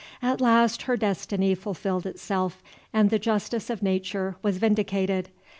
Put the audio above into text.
At last her destiny fulfilled itself, and the justice of Nature was vindicated.